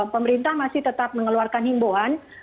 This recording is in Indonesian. pemerintah masih tetap mengeluarkan himbuan